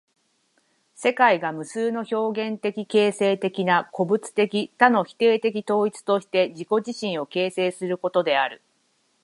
世界が無数の表現的形成的な個物的多の否定的統一として自己自身を形成することである。